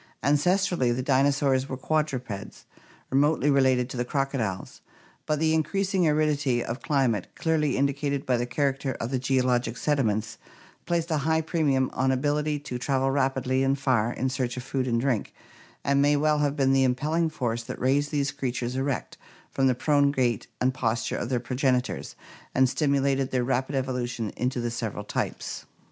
Ancestrally, the dino saurs were quadrupeds remotely related to the crocodiles; but the increasing aridity of climate, clearly indicated by the character of the geologic sediments, placed a high premium on ability to travel rapidly and far in search of food and drink, and may well have been the impelling force that raised these creatures erect from the prone gait and posture of their progenitors and stimulated their rapid evolution into the several types.